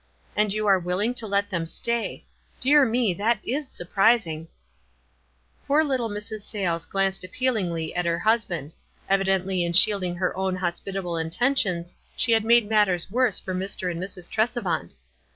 And you are willing to let them stay ! Dear me, that is surprising !" Poor little Mrs. Sayles glanced appeal ingly at her husband — evidently in shielding her own hospitable intentions she had made matters worse for Mr. and Mrs. Tresevant.